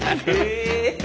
え。